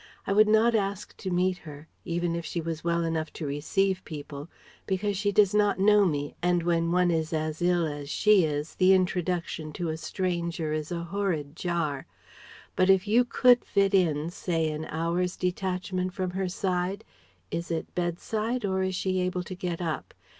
I would not ask to meet her even if she was well enough to receive people because she does not know me and when one is as ill as she is, the introduction to a stranger is a horrid jar. But if you could fit in say an hour's detachment from her side is it "bed side" or is she able to get up?